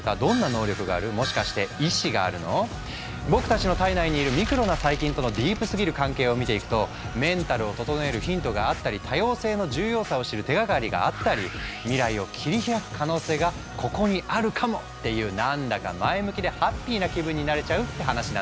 僕たちの体内にいるミクロな細菌とのディープすぎる関係を見ていくとメンタルを整えるヒントがあったり多様性の重要さを知る手がかりがあったり未来を切り開く可能性がここにあるかもっていう何だか前向きでハッピーな気分になれちゃうって話なんですよ。